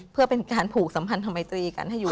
เพื่อเป็นการผูกสัมพันธมัยตรีกันให้อยู่